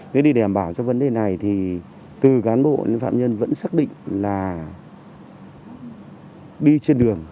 để đảm bảo vấn đề này từ cán bộ đến phạm nhân vẫn xác định là đi trên đường